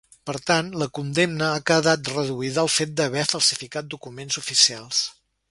Per tant, la condemna ha quedat reduïda al fet d’haver falsificat documents oficials.